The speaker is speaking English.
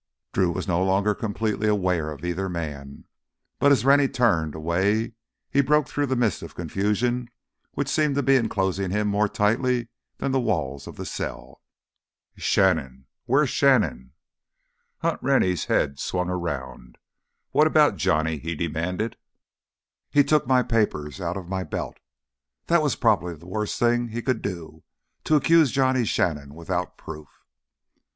Drew was no longer completely aware of either man. But, as Rennie turned away, he broke through the mist of confusion which seemed to be enclosing him more tightly than the walls of the cell. "Shannon. Where's Shannon?" Hunt Rennie's head swung around. "What about Johnny?" he demanded. "He took my papers—out of my belt!" This was probably the worst thing he could do, to accuse Johnny Shannon without proof.